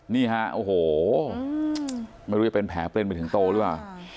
นี่ฮะโอ้โหไม่รู้จะเป็นแผลเป็นไปถึงโตหรือเปล่า